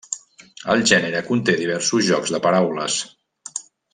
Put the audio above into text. El gènere conté diversos jocs de paraules.